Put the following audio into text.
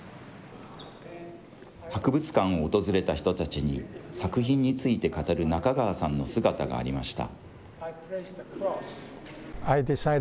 博物館を訪れた人たちに、作品について語る中川さんの姿がありました。